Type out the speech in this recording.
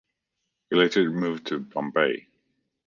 He later moved to Bombay.